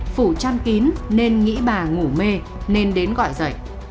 phủ chăn kín nên nghĩ bà ngủ mê nên đến gọi dậy